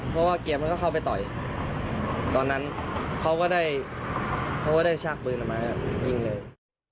เพราะว่าเกียร์มันก็เข้าไปต่อยตอนนั้นเขาก็ได้เขาก็ได้ชากเบื้องน้ำไม้อะยิงเลย